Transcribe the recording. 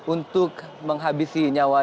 untuk menghabisi nyawa